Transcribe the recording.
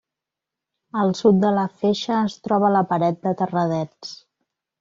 Al sud de la feixa es troba la Paret de Terradets.